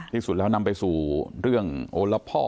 ที่สุดแล้วนำไปสู่เรื่องโอละพ่อ